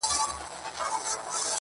• ه په سندرو کي دي مينه را ښودلې.